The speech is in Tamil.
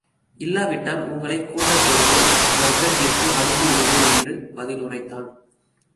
இல்லாவிட்டால் உங்களைக் கூட்டத்தோடு சுவர்க்கத்திற்கு அனுப்பிவிடுவேன் என்று பதிலுரைத்தான்.